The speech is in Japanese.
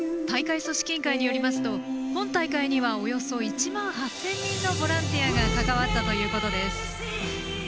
大会組織委員会によりますと今大会にはおよそ１万８０００人のボランティアが関わったということです。